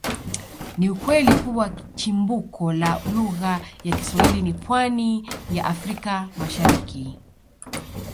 Ni ukweli kuwa chimbuko la lugha ya Kiswahili ni pwani ya Afrika Mashariki